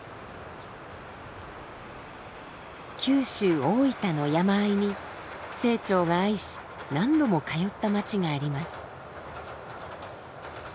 九州大分の山あいに清張が愛し何度も通った町があります。